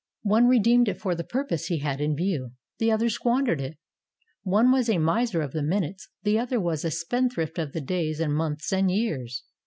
One redeemed it for the purpose he had in view; the other squandered it. One was a miser of the minutes; the other was a spendthrift of the days and months and years.